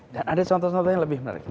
dan ada contoh contoh yang lebih menarik